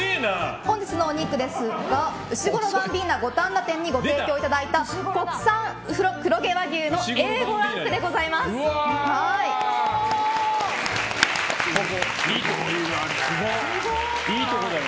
本日のお肉ですがうしごろバンビーナ五反田店にご提供いただいた国産黒毛和牛のすごいわね。